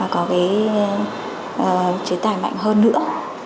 và có cái chế tài mạnh hơn nữa